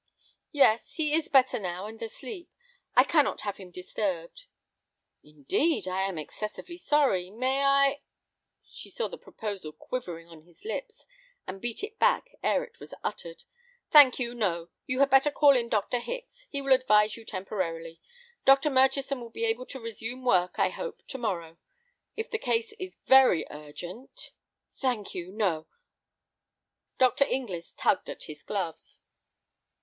Yes, he is better now, and asleep. I cannot have him disturbed." "Indeed! I am excessively sorry. May I—?" She saw the proposal quivering on his lips, and beat it back ere it was uttered. "Thank you, no; you had better call in Dr. Hicks; he will advise you temporarily. Dr. Murchison will be able to resume work, I hope, to morrow. If the case is very urgent—" Dr. Inglis tugged at his gloves.